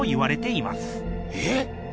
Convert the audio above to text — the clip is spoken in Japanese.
えっ？